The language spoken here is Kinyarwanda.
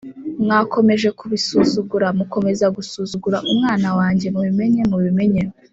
mwakomeje kubisuzugura, mukomeza gusuzugura umwana wanjye, mubimenye mubimenye.